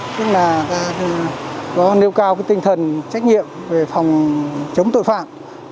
tức là có nêu cao tinh thần trách nhiệm về phòng chống tội phạm